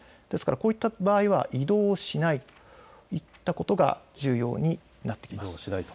こういった場合は移動をしないといったことが重要になってきます。